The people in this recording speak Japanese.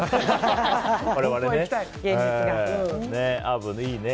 我々ね。